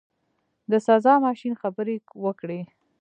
د سزا ماشین خبرې وکړې.